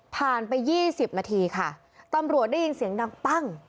ไป๒๐นาทีค่ะตำรวจได้ยินเสียงดังปั้ง